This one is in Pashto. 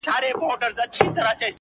• شماره هغه بس چي خوی د سړو راوړي..